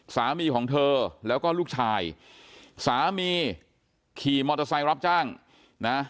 สามีของเธอแล้วก็ลูกชายสามีขี่มอเตอร์ไซค์รับจ้างนะ